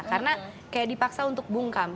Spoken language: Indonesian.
karena kayak dipaksa untuk bungkam